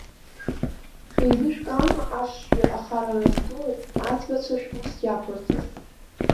Еилышәкаама ашшҩи ахарара здуи, аӡбацәа шәус иақәырҵаз?